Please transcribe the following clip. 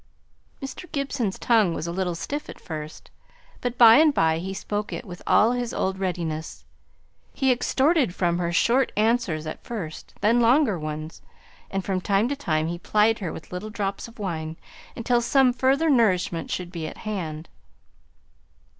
Mr. Gibson's tongue was a little stiff at first, but by and by he spoke it with all his old readiness. He extorted from her short answers at first, then longer ones, and from time to time he plied her with little drops of wine, until some further nourishment should be at hand.